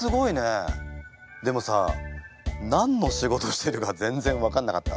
でもさ何の仕事してるか全然分かんなかった。